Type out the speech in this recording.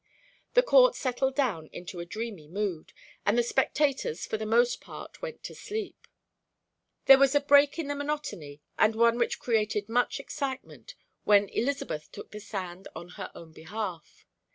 The court settled down into a dreamy mood, and the spectators for the most part went to sleep. There was a break in the monotony, and one which created much excitement, when Elizabeth took the stand on her own behalf.